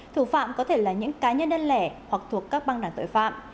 thủ phạm có thể là những cá nhân đơn lẻ hoặc thuộc các băng đảng tội phạm